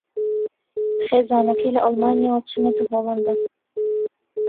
خێزانەکەی لە ئەڵمانیاوە چوونەتە ھۆڵەندا